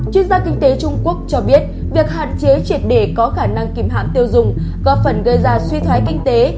chuyên gia kinh tế trung quốc cho biết việc hạn chế triệt để có khả năng kìm hãm tiêu dùng có phần gây ra suy thoái kinh tế